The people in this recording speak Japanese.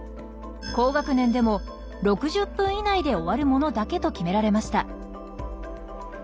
高学年でも６０分以内で終わるものだけと決められました。